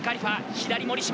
左森島。